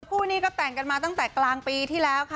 คู่นี้ก็แต่งกันมาตั้งแต่กลางปีที่แล้วค่ะ